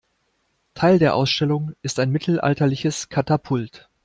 Teil der Ausstellung ist ein mittelalterliches Katapult.